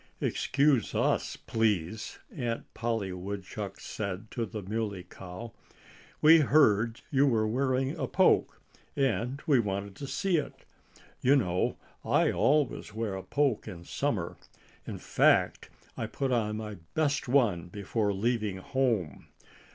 "Excuse us, please!" Aunt Polly Woodchuck said to the Muley Cow. "We heard you were wearing a poke; and we wanted to see it. You know, I always wear a poke in summer. In fact, I put on my best one before leaving home."